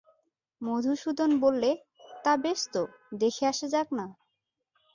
মধূসূদন বললে, তা বেশ তো, দেখে আসা যাক-না।